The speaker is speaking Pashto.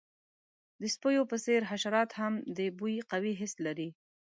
د سپیو په څیر، حشرات هم د بوی قوي حس لري.